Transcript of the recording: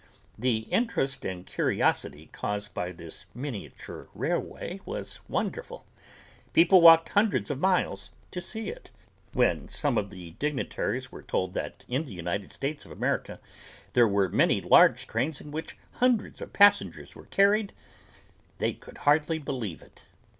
The interest and curiosity caused by this miniature railway was wonderful. People walked hundreds of miles to see it. When some of the dignitaries were told that in the United States of America there were many large trains in which hundreds of passengers were carried they could hardly believe it.